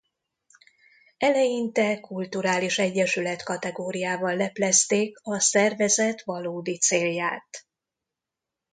Eleinte kulturális egyesület kategóriával leplezték a szervezet valódi célját.